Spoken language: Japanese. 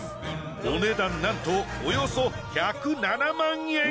お値段なんとおよそ１０７万円。